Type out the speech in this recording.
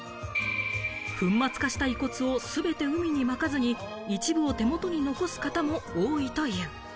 粉末化した遺骨をすべて海にまかずに、一部を手元に残す方も多いという。